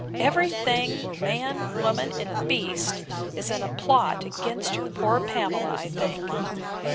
Every thing, man, woman, and beast, is in a plot against your poor Pamela, I think!